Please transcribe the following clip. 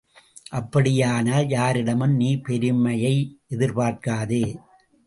அப்படியானால் யாரிடமும் நீ பெருமையை எதிர்பார்க்காதே!